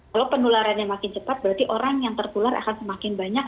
kalau penularannya makin cepat berarti orang yang tertular akan semakin banyak